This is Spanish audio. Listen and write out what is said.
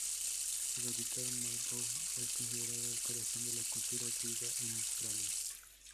Su capital, Melbourne, es considerada el corazón de la cultura griega en Australia.